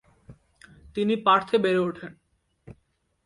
তিনি পার্থে বেড়ে ওঠেন।